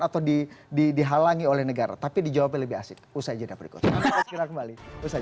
atau di dihalangi oleh negara tapi di jawab lebih asyik usai jadwal berikutnya sekitar kembali usai